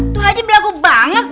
tuh haji berlagu banget